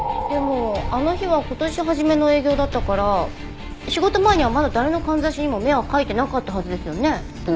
でもあの日は今年初めの営業だったから仕事前にはまだ誰のかんざしにも目は描いてなかったはずですよね。